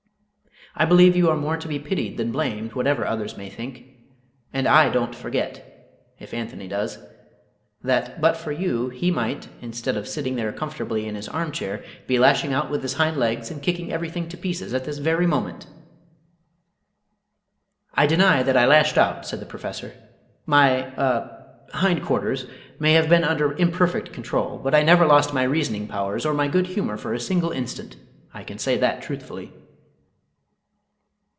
"I believe you are more to be pitied than blamed, whatever others may think. And I don't forget if Anthony does that, but for you, he might, instead of sitting there comfortably in his armchair, be lashing out with his hind legs and kicking everything to pieces at this very moment!" "I deny that I lashed out!" said the Professor. "My a hind quarters may have been under imperfect control but I never lost my reasoning powers or my good humour for a single instant. I can say that truthfully."